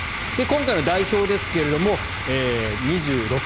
今回の代表ですが２６人。